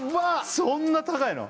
そんな高いの？